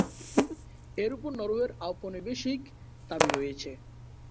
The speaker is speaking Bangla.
এর উপর নরওয়ের ঔপনিবেশিক দাবী রয়েছে।